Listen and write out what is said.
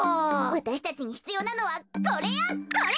わたしたちにひつようなのはこれよこれ！